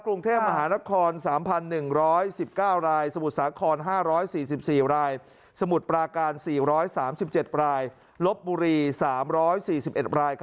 กรุงเทพมหานคร๓๑๑๙รายสมุทรสาคร๕๔๔รายสมุทรปราการ๔๓๗รายลบบุรี๓๔๑ราย